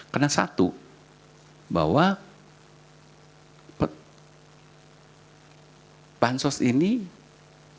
karena satu bahwa bansos ini hanya bisa dikandalkan